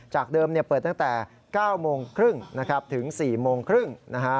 จากเดิมเปิดตั้งแต่๙โมงครึ่งถึง๔โมงครึ่ง